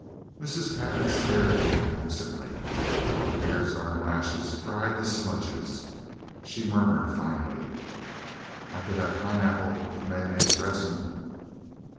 Mrs. Pantin stared at him absently, while the tears on her lashes dried to smudges. She murmured finally: "I could have pineapple with mayonnaise dressing."